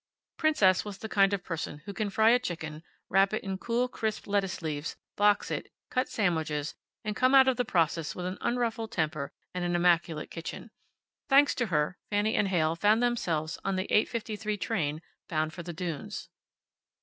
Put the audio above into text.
Princess was the kind of person who can fry a chicken, wrap it in cool, crisp lettuce leaves, box it, cut sandwiches, and come out of the process with an unruffled temper and an immaculate kitchen. Thanks to her, Fanny and Heyl found themselves on the eight fifty three train, bound for the dunes.